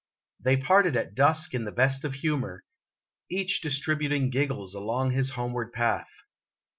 They parted at dusk in the best of humor, each distributing giggles along his homeward path.